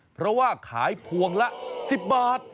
เพราะว่าขายพวงละ๑๐บาท